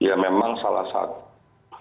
ya memang salah satu